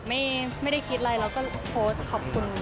ไม่คิดอะไรแล้วก็โพสต์ขอบคุณ